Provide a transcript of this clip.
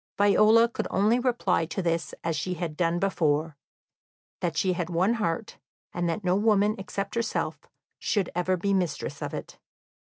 Viola could only reply to this as she had done before, that she had one heart, and that no woman except herself should ever be mistress of it.